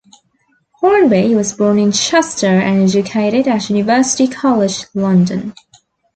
Hornby was born in Chester and educated at University College London.